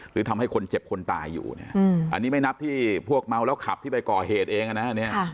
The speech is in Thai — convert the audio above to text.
หรือทำให้คนเจ็บคนตายอยู่เนี่ยอันนี้ไม่นับที่พวกเมาแล้วขับที่ไปก่อเหตุเองนะอันนี้